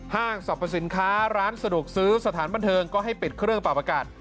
ห้างสรรพสินค้าร้านสะดวกซื้อสถานบันเทิงก็ให้ปิดเครื่องปรับอากาศ